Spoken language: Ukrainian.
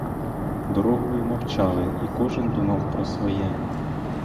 Дорогою мовчали, і кожен думав про своє.